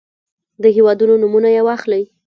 د هېوادونو نومونه يې واخلئ.